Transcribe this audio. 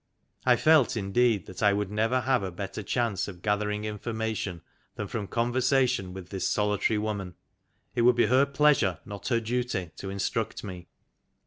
I felt indeed that I would never have a better chance of gathering information than from conversation with this solitary woman. It would be her pleasure, not her duty, to instruct me.